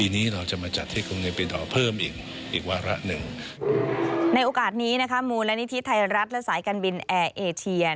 ในโอกาสนี้นะคะมูลนิธิไทยรัฐและสายการบินแอร์เอเชีย